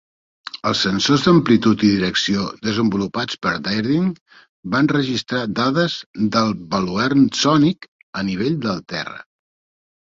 Els sensors d'amplitud i direcció desenvolupats per Dryden van registrar dades del baluern sònic a nivell de terra.